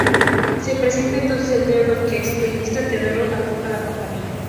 Se presenta entonces el Diablo, que insta a Teodoro a tocar la campanilla.